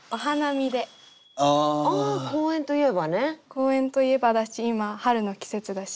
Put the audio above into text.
公園といえばだし今春の季節だし。